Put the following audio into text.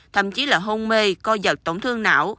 thậm chí là hôn mê co giật tổn thương não